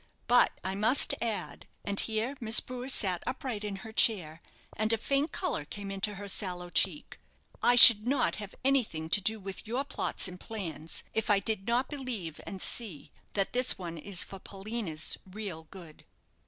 But I must add," and here Miss Brewer sat upright in her chair, and a faint colour came into her sallow cheek, "I should not have anything to do with your plots and plans, if I did not believe, and see, that this one is for Paulina's real good."